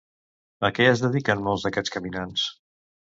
A què es dediquen molts d'aquests caminants?